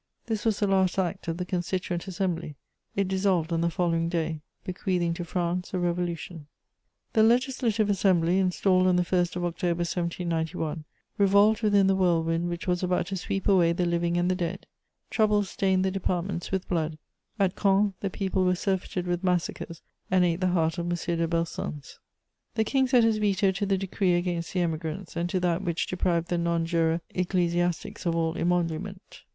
This was the last act of the Constituent Assembly: it dissolved on the following day, bequeathing to France a revolution. * [Sidenote: The Legislative Assembly.] The Legislative Assembly, installed on the 1st of October 1791, revolved within the whirlwind which was about to sweep away the living and the dead. Troubles stained the departments with blood; at Caen the people were surfeited with massacres and ate the heart of M. de Belsunce. The King set his veto to the decree against the Emigrants and to that which deprived the non juror ecclesiastics of all emolument.